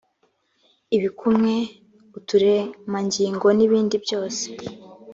ibikumwe uturemangingo n ibindi byose